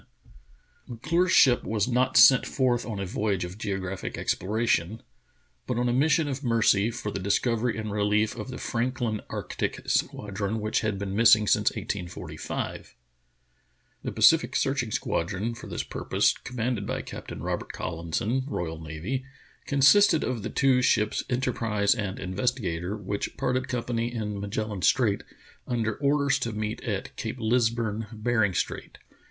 M'Clure 's 73 74 True Tales of Arctic Heroism ship was not sent forth on a voyage of geographic ex ploration, but on a mission of mercy for the discovery and reHef of the Frankhn arctic squadron which had been missing since 1845, The Pacific searching squad ron for this purpose, commanded by Captain Robert CoIHnson, R.N., consisted of the two ships Enterprise and Investigatory which parted company in Magellan Strait under orders to meet at Cape Lisburne, Bering Strait.